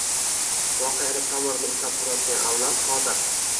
voqelik «tomirini ushlab turadigan» avlod qodir.